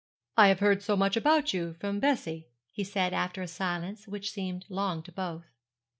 'I have heard so much about you from Bessie,' he said after a silence which seemed long to both.